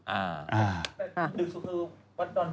อ่า